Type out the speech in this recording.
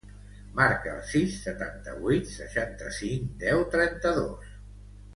Marca el sis, setanta-vuit, seixanta-cinc, deu, trenta-dos.